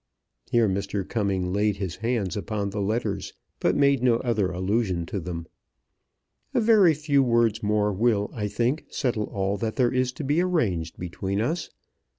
Here Mr. Cumming laid his hands upon the letters, but made no other allusion to them. "A very few words more will, I think, settle all that there is to be arranged between us.